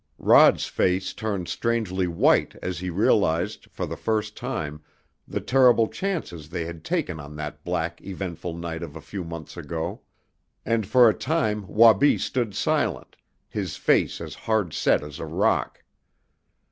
Rod's face turned strangely white as he realized, for the first time, the terrible chances they had taken on that black, eventful night of a few months ago; and for a time Wabi stood silent, his face as hard set as a rock.